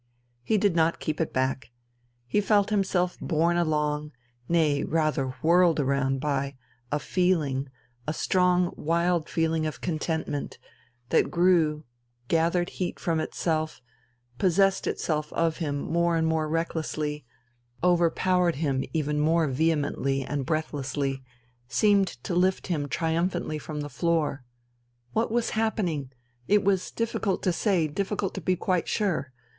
He did not keep it back. He felt himself borne along, nay rather whirled around by a feeling, a strong, wild feeling of contentment, that grew, gathered heat from itself, possessed itself of him more and more recklessly, overpowered him even more vehemently and breathlessly, seemed to lift him triumphantly from the floor. What was happening? It was difficult to say, difficult to be quite sure.